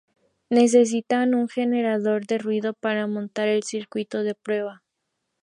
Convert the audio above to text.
Necesitan un generador de ruido para montar el circuito de prueba.